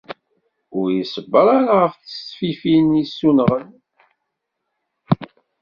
Ur iṣebber ara ɣef tesfifin isunɣen.